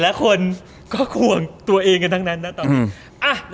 แต่ละคนก็กวงตัวเองกันทั้งนั้นนะถอด